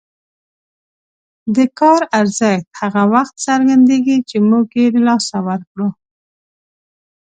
د کار ارزښت هغه وخت څرګندېږي چې موږ یې له لاسه ورکړو.